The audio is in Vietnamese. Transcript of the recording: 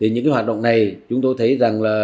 những hoạt động này chúng tôi thấy